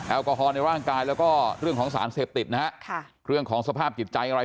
แอลกอฮอลในร่างกายแล้วก็เรื่องของสารเสพติดนะฮะค่ะเรื่องของสภาพจิตใจอะไร